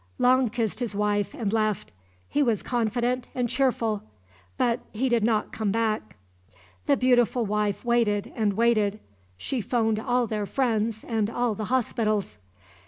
Long kissed his wife and left. He was confident and cheerful. But he did not come back. The beautiful wife waited and waited. She phoned all their friends and all the hospitals.